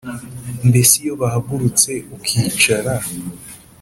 mbese iyo bahagurutse ukicara